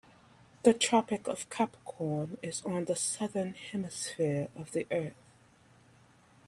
The Tropic of Capricorn is on the Southern Hemisphere of the earth.